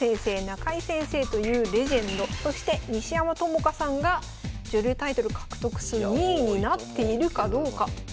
中井先生というレジェンドそして西山朋佳さんが女流タイトル獲得数２位になっているかどうか。